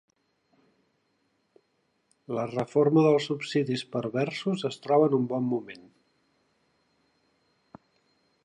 La reforma dels subsidis perversos es troba en un bon moment.